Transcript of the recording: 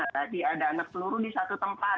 tadi ada anak peluru di satu tempat